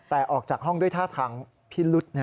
แต่ออกจากห้องด้วยท่าทางพิรุษ